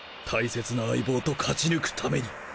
大切な相棒と勝ち抜くために